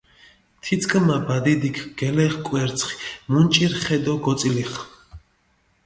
თიწკჷმა ბადიდიქ გელეღჷ კვერცხი, მუნჭირჷ ხე დო გოწილიხჷ.